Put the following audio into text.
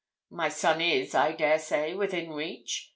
'My son is, I dare say, within reach.